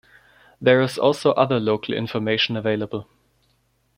There is also other local information available.